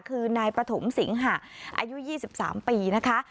คือนายปฐมสิงหะอายุ๒๓ปีนะคะ